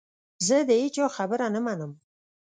زه د هیچا خبره نه منم .